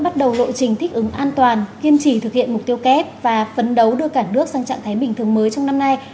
bắt đầu lộ trình thích ứng an toàn kiên trì thực hiện mục tiêu kép và phấn đấu đưa cả nước sang trạng thái bình thường mới trong năm nay